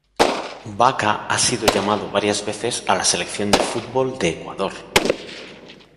Vaca ha sido llamado varias veces a la Selección de fútbol de Ecuador.